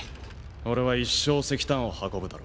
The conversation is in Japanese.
俺は一生石炭を運ぶだろう。